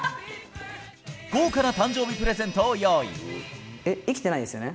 豪華な誕生日プレゼントを用えっ、生きてないですよね？